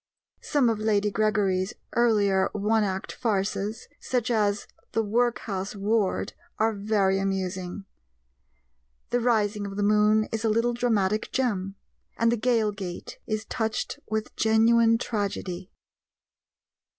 Some of Lady Gregory's earlier one act farces, such as The Workhouse Ward, are very amusing; The Rising of the Moon is a little dramatic gem, and The Gaol Gate is touched with genuine tragedy.